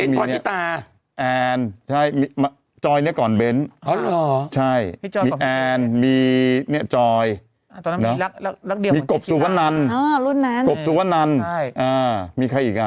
เบนออชิตาแอนจอยเนี่ยก่อนเบนใช่มีแอนมีจอยมีกบสุวรรณมีใครอีกครับ